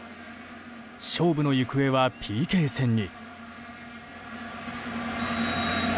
勝負の行方はＰＫ戦に。